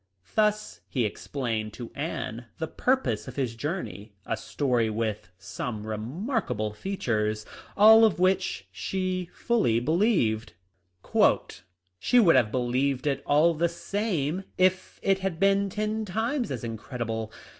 Thus he explained to Anne the purpose of his journey — a story with some remarkable features, all of which she fully believed. "She would have believed it all the same if it had been ten times as incredible.